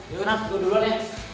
yuk nat lo duluan ya